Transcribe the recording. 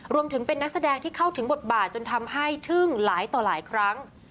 รวมถึงเป็นนักแสดงที่เข้าถึงบทบาทจนทำให้ทึ่งหลายต่อหลายครั้ง